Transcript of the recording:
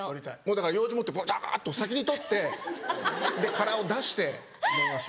だからようじ持ってバっと先に取ってで殻を出して飲みますよ。